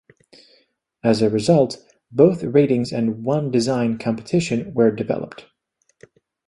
As a result, both ratings and "one-design" competition were developed.